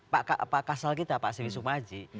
pak ksal kita pak siwi sukma haji